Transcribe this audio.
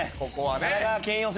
神奈川県予選